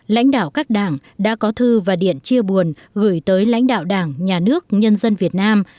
lãnh đạo các đảng đã có thư và điện chia buồn gửi tới lãnh đạo đảng nhà nước nhân dân việt nam